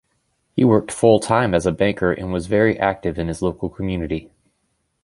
He worked full-time as a banker and was very active in his local community.